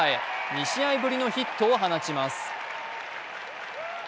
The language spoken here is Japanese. ２試合ぶりのヒットを放ちます。